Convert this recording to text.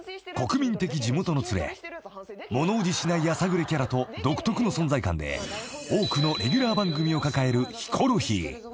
［物おじしないやさぐれキャラと独特の存在感で多くのレギュラー番組を抱えるヒコロヒー］